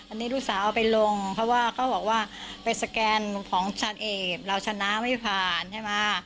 อันนี้ลูกสาวเอาไปลงเพราะว่าเขาบอกว่าไปสแกนของชาญเอกเราชนะไม่ผ่านใช่ไหม